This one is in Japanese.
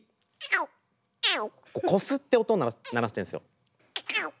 こすって音を鳴らしてるんですよ。